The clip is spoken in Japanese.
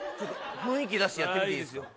雰囲気出してやっていいですか。